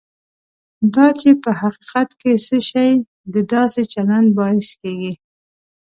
دا چې په حقیقت کې څه شی د داسې چلند باعث کېږي.